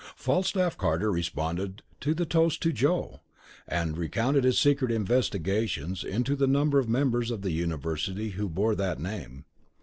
Falstaff Carter responded to the toast to "Joe," and recounted his secret investigations into the number of members of the university who bore that name.